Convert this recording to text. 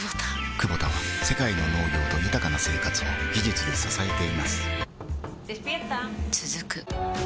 クボタは世界の農業と豊かな生活を技術で支えています起きて。